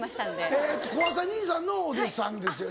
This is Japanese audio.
えっと小朝兄さんのお弟子さんですよね。